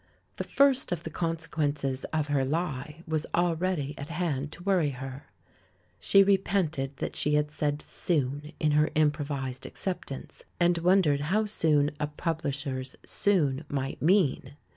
The first of the consequen ces of her lie was already at hand to worry her. She repented that she had said "soon" in her improvised acceptance, and wondered how soon a publisher's "soon" might mean.